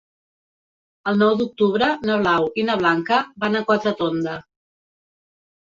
El nou d'octubre na Blau i na Blanca van a Quatretonda.